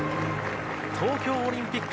東京オリンピック